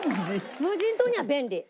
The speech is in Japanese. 無人島には便利。